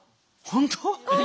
本当？